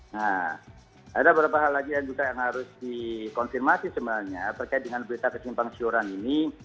nah ada beberapa hal lagi yang juga yang harus dikonfirmasi sebenarnya terkait dengan berita kesimpang siuran ini